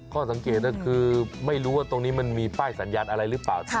ข้อสังเกตก็คือไม่รู้ว่าตรงนี้มันมีป้ายสัญญาณอะไรหรือเปล่า